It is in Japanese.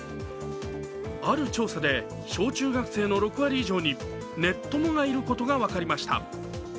ある調査で、小中学生の６割以上に、ネッ友がいることが分かりました。